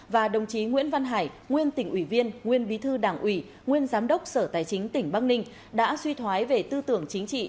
và đồng chí nguyễn văn hải nguyên tỉnh ủy viên nguyên bí thư đảng ủy nguyên giám đốc sở tài chính tỉnh bắc ninh đã suy thoái về tư tưởng chính trị